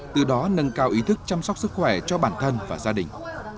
từ đó nâng cao ý thức chăm sóc sức khỏe cho bản thân và gia đình